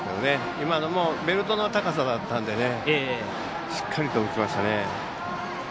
今のもベルトの高さだったんでしっかりといきましたね。